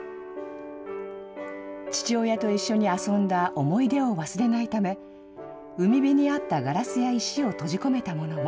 父親と一緒に遊んだ思い出を忘れないため、海辺にあったガラスや石を閉じ込めたものも。